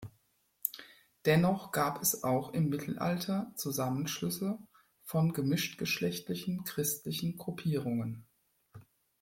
Dennoch gab es auch im Mittelalter Zusammenschlüsse von gemischtgeschlechtlichen christlichen Gruppierungen.